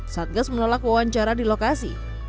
satgas menolak wawancara di lokasi